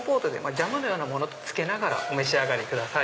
ジャムのようなものとつけながらお召し上がりください。